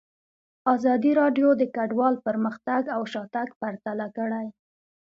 ازادي راډیو د کډوال پرمختګ او شاتګ پرتله کړی.